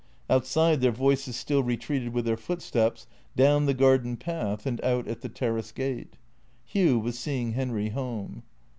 Outside their voices still retreated with their footsteps, down the garden path, and out at the terrace gate. Hugh was seeing Henry home.